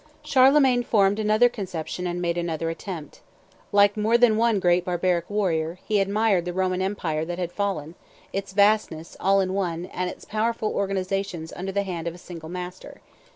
Charlemagne formed another conception and made another attempt. Like more than one great barbaric warrior, he admired the Roman empire that had fallen, its vastness all in one, and its powerful organization under the hand of a single master.